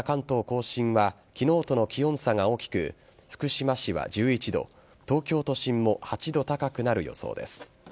甲信は昨日との気温差が大きく福島市は１１度東京都心も８度高くなる予想です。